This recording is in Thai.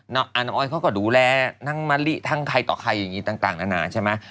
น้องอาน้ำอ้อยเขาก็ดูแลทั้งมะลิทั้งใครต่อใครอย่างนี้ต่างนานาใช่ไหม